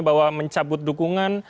bahwa mencabut dukungan